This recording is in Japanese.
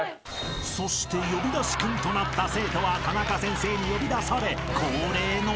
［そして呼び出しクンとなった生徒はタナカ先生に呼び出され恒例の］